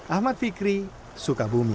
ahmad fikri sukabumi